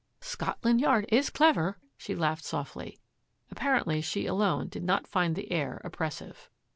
" Scotland Yard is clever.'* She laughed softly. Apparently she alone did not find the air oppres sive.